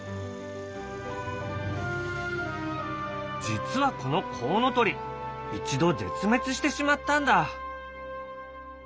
実はこのコウノトリ一度絶滅してしまったんだ。